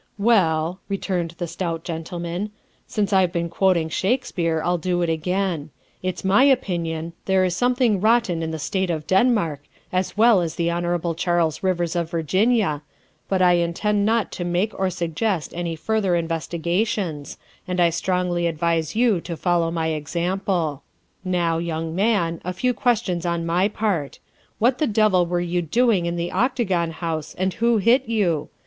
" Well," returned the stout gentleman, " since I've been quoting Shakespeare, I'll do it again. It's my opinion ' there is something rotten in the State of Den mark' as well as the Hon. Charles Rivers of Virginia, but I intend not to make or suggest any further inves tigations, and I strongly advise you to follow my ex ample. Now, young man, a few questions on my part. What the devil were you doing in the Octagon House and who hit you?